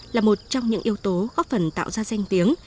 là một trong những yếu tố góp phần tạo ra danh tiếng